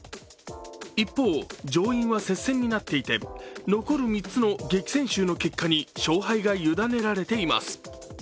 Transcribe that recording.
一方、上院は接戦になっていて残る３つの激戦州の結果に勝敗が委ねられています。